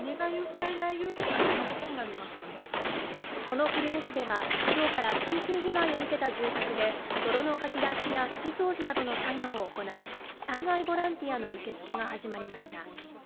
その久留米市では今日から浸水被害を受けた住宅で、泥のかき出しや拭き掃除などの作業を行う災害ボランティアの受け付けが始まりました